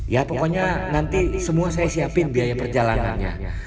ya pokoknya nanti semua saya siapin biaya perjalanannya